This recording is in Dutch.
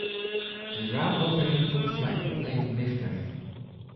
De raamovereenkomst lijkt onevenwichtig.